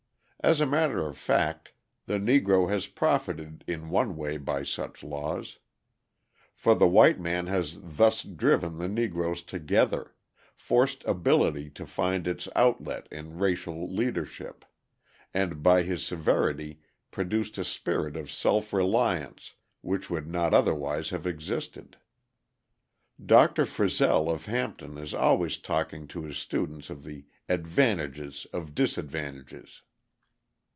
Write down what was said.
As a matter of fact, the Negro has profited in one way by such laws. For the white man has thus driven the Negroes together, forced ability to find its outlet in racial leadership, and by his severity produced a spirit of self reliance which would not otherwise have existed. Dr. Frissell of Hampton is always talking to his students of the "advantages of disadvantages."